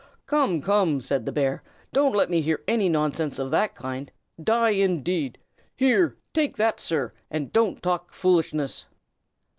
"Come! come!" said the bear, "don't let me hear any nonsense of that kind. Die, indeed! Here, take that, sir, and don't talk foolishness!"